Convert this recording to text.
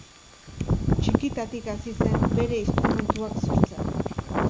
Txikitatik hasi zen bere instrumentuak sortzen.